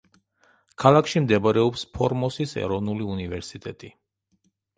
ქალაქში მდებარეობს ფორმოსის ეროვნული უნივერსიტეტი.